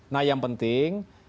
nah yang penting